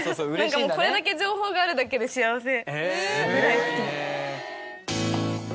これだけ情報があるだけで幸せぐらい好き。